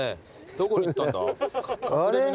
どこに行ったんだ？